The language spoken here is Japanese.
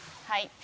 はい。